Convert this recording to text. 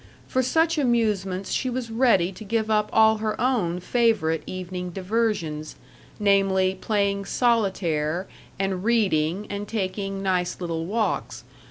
For such amusements she was ready to give up all her own favorite evening diversions namely, playing solitaire, and reading and taking nice little walks....